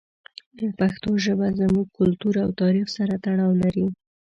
پښتو ژبه زموږ کلتور او تاریخ سره تړاو لري.